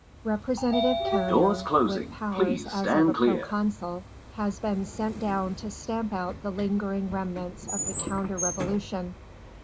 Representative Carrier with powers as of a proconsul has been sent down to stamp out the lingering remnants of the counter revolution.